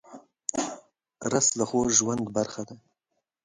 رس د خوږ ژوند برخه ده